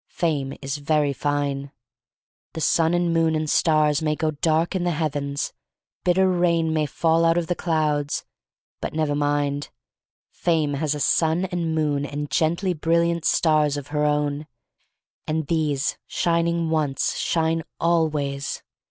Fame is very fine. The sun and moon and stars may go dark in the Heavens. Bitter rain may fall out of the clouds. But never mind. Fame has a sun and moon and gently brilliant stars of her own, and« these, shining once, shine always.